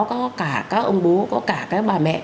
có cả các ông bố có cả các bà mẹ